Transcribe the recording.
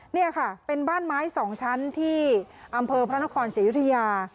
นี่ค่ะเป็นบ้านไม้๒ชั้นที่อำเภอพระนครศรียุธยา